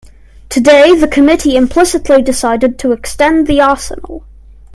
Today the committee implicitly decided to extend the arsenal.